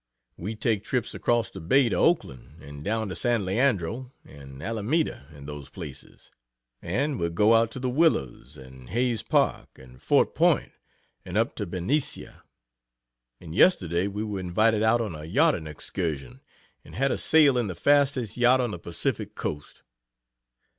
We take trips across the Bay to Oakland, and down to San Leandro, and Alameda, and those places; and we go out to the Willows, and Hayes Park, and Fort Point, and up to Benicia; and yesterday we were invited out on a yachting excursion, and had a sail in the fastest yacht on the Pacific Coast.